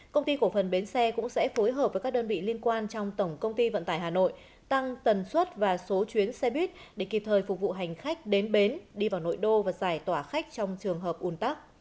công ty cổ phần bến xe cũng sẽ phối hợp với các đơn vị liên quan trong tổng công ty vận tải hà nội tăng tần suất và số chuyến xe buýt để kịp thời phục vụ hành khách đến bến đi vào nội đô và giải tỏa khách trong trường hợp ủn tắc